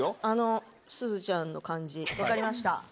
あのすずちゃんの感じ分かりました